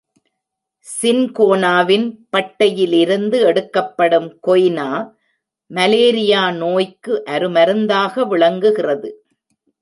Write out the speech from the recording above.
சின்கோனாவின் பட்டையிலிருந்து எடுக்கப்படும் கொய்னா, மலேரியா நோய்க்கு அருமருந்தாக விளங்குகிறது.